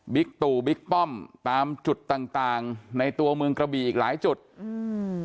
ตู่บิ๊กป้อมตามจุดต่างต่างในตัวเมืองกระบี่อีกหลายจุดอืม